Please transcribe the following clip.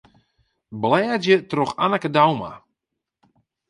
Blêdzje troch Anneke Douma.